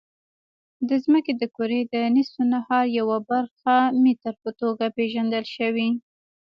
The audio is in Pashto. د ځمکې د کرې د نصف النهار یوه برخه متر په توګه پېژندل شوې.